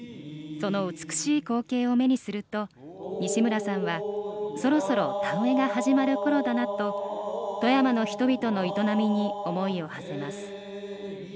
その美しい光景を目にすると西村さんは「そろそろ田植えが始まるころだな」と富山の人々の営みに思いをはせます。